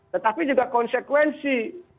tetapi juga konsekuensi